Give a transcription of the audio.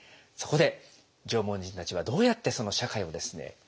そこで縄文人たちはどうやってその社会をですね